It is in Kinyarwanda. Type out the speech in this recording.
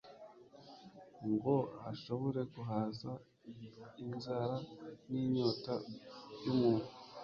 ngo ashobore guhaza inzara n'inyota by'umuntu.